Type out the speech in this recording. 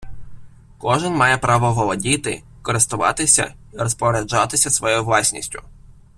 Кожен має право володіти, користуватися і розпоряджатися своєю власністю